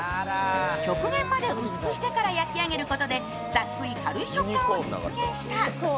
極限まで薄くして焼き上げることでさっくり軽い食感を実現した。